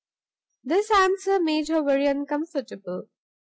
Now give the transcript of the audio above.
This answer made her very uncomfortable.